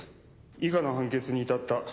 以下の判決に至った理由を。